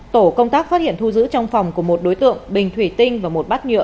tổ công tác phát hiện thu giữ trong phòng của một đối tượng bình thủy tinh và một bát nhựa